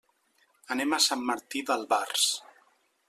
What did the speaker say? Anem a Sant Martí d'Albars.